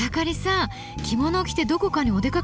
着物を着てどこかにお出かけですか？